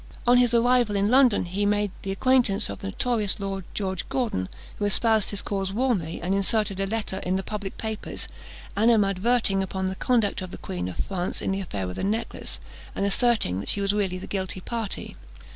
On his arrival in London he made the acquaintance of the notorious Lord George Gordon, who espoused his cause warmly, and inserted a letter in the public papers, animadverting upon the conduct of the Queen of France in the affair of the necklace, and asserting that she was really the guilty party.